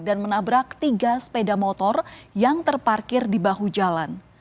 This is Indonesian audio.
dan menabrak tiga sepeda motor yang terparkir di bahu jalan